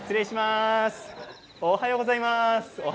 おはようございます。